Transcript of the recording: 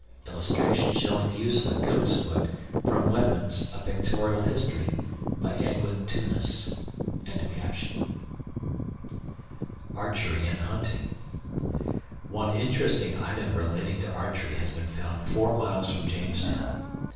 ILLUSTRATION SHOWING THE USE OF A "GOAT'S FOOT" FROM Weapons, A Pictorial History BY EDWIN TUNIS.] ARCHERY AND HUNTING One interesting item relating to archery has been found 4 miles from Jamestown.